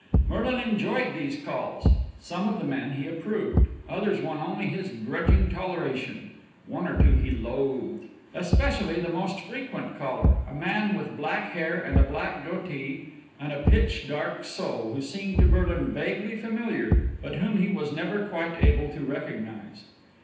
Merlin enjoyed these calls. Of some of the men he approved. Others won only his grudging toleration, one or two he loathed especially the most frequent caller, a man with black hair and a black goatee and a pitch dark soul, who seemed to Merlin vaguely familiar, but whom he was never quite able to recognize.